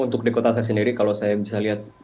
untuk di kota saya sendiri kalau saya bisa lihat